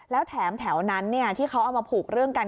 แล้วแถมแถวนั้นที่เขาเอามาผูกเรื่องกัน